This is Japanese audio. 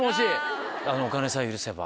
お金さえ許せば。